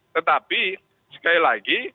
tetapi sekali lagi